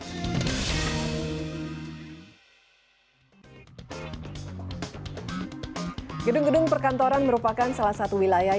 halo dokter erlang apa kabar